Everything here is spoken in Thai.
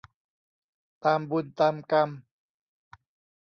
ตามบุญตามกรรม